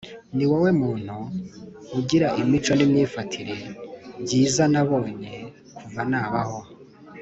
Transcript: ni wowe muntu ugira imico n’imyifatire byiza nabonye kuva nabaho